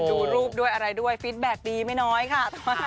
ดูรูปด้วยอะไรด้วยฟิตแบ็คดีไม่น้อยค่ะ